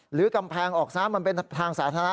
หรือกำแพงออกซะมันเป็นทางสาธารณะ